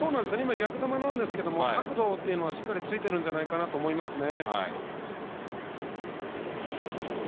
逆球なんですけれども角度はしっかりついているんじゃないかなと思いますね。